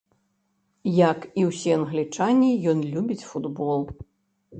Як і ўсе англічане, ён любіць футбол.